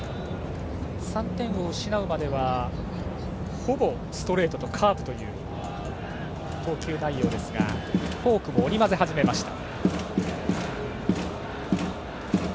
３点を失うまではほぼストレートとカーブという投球内容ですがフォークも織り交ぜ始めました。